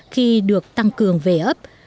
khi được tăng cường về ấp